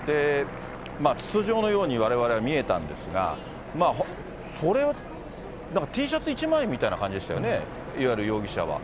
筒状のようにわれわれは見えたんですが、それ、Ｔシャツ１枚みたいな感じでしたよね、いわゆる容疑者は。